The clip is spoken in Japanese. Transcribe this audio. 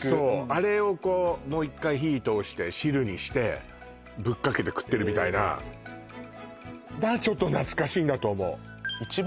あれをこうもう一回火通して汁にしてぶっかけて食ってるみたいなええええだからちょっと懐かしいんだと思う一番